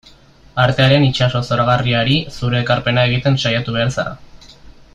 Artearen itsaso zoragarriari zure ekarpena egiten saiatu behar zara.